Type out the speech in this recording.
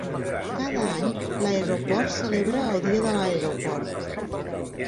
Cada any, l'aeroport celebra el Dia de l'aeroport.